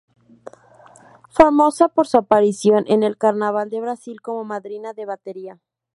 Famosa por sus apariciones en el carnaval de Brasil como Madrina de Batería.